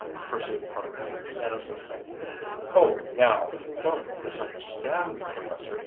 pursued Parkman, innocently. "Oh, now, don't misunderstand me, Professor.